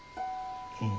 うん。